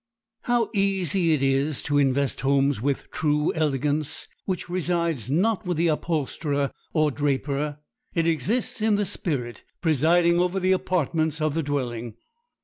How easy it is to invest homes with true elegance, which resides not with the upholsterer or draper! It exists in the spirit presiding over the apartments of the dwelling.